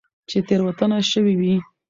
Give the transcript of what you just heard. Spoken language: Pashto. چې تيروتنه شوي وي